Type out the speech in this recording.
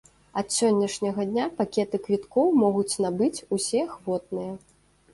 Ад сённяшняга дня пакеты квіткоў могуць набыць усе ахвотныя.